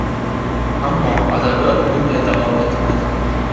Ammo adabiyot bunday davom etmaydi.